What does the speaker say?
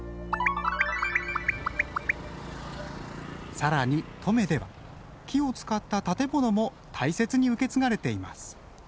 更に登米では木を使った建物も大切に受け継がれています。